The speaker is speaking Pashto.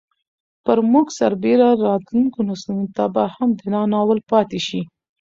پر موږ سربېره راتلونکو نسلونو ته به هم دا ناول پاتې شي.